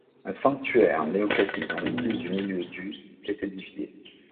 Un sanctuaire néo-classique dans le style du milieu du est édifié.